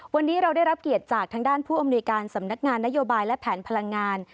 วันนี้เราได้รับเกียรติจากทางด้านผู้อำนวยการสำนักงานนโยบายและแผนพลังงาน